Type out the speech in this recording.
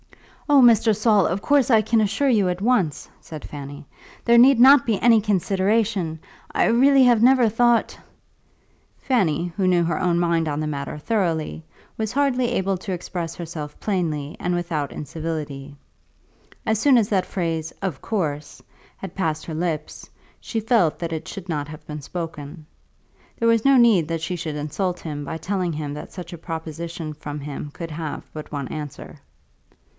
"Oh, Mr. Saul, of course I can assure you at once," said Fanny. "There need not be any consideration. I really have never thought " Fanny, who knew her own mind on the matter thoroughly, was hardly able to express herself plainly and without incivility. As soon as that phrase "of course" had passed her lips, she felt that it should not have been spoken. There was no need that she should insult him by telling him that such a proposition from him could have but one answer.